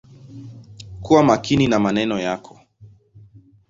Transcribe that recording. Kuwa makini na maneno yako.